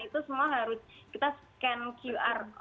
itu semua harus kita scan qr